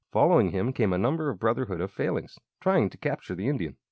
Following him came a number of the Brotherhood of Failings, trying to capture the Indian.